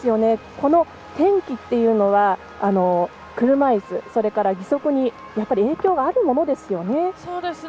この天気というのは車いす、それから義足に影響あるものですよね。